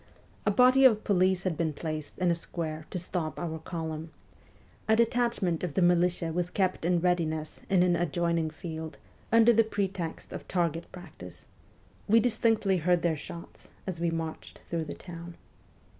A body of police had been placed in a square to stop our column ; a detachment of the militia was kept in readiness in an adjoining field, under the pretext of target practice we distinctly heard their shots as we marched through the town.